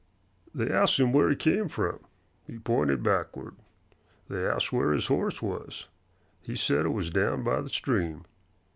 They asked him where he came from. He pointed backward. They asked where his horse was. He said it was down by the stream.